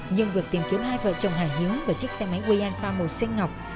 nhưng việc tìm kiếm hai vợ chồng hải hiếu và chiếc xe máy quay alfa màu xanh ngọc